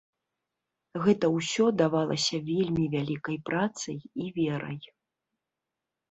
Гэта ўсё давалася вельмі вялікай працай і верай.